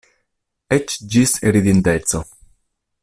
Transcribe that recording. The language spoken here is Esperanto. Eĉ ĝis ridindeco.